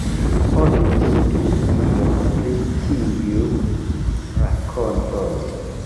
Oni vidu ion pri tiuj rakontoj.